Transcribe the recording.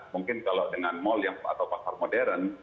mungkin kalau dengan mall atau pasar modern